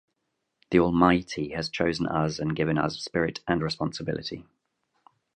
The Almighty has chosen us and given us spirit and responsibility.